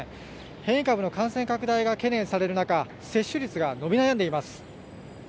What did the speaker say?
変異株の感染拡大が懸念される中接種率が伸び悩んでいます。